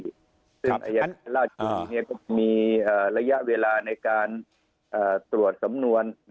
ซึ่งอายการราชบุรีก็มีระยะเวลาในการตรวจสำนวน